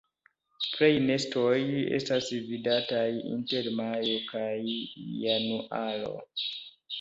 Plej nestoj estas vidataj inter majo kaj januaro.